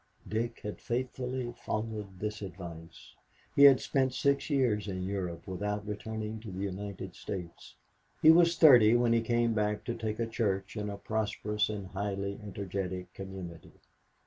Dick had faithfully followed this advice. He had spent six years in Europe without returning to the United States. He was thirty when he came back to take a church in a prosperous and highly energetic community.